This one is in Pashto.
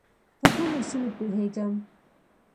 په ټولو اصولو پوهېږم.